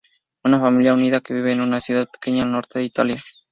Una familia unida que vive en una ciudad pequeña al norte de Italia.